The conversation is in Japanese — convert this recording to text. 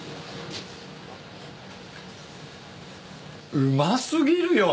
うま過ぎるよ。